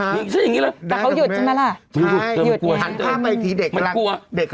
มันจะมาแล้วอยู่ด้วยพวกเราก็